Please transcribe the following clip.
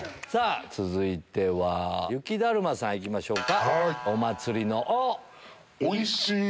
続いては雪だるまさん行きましょうか。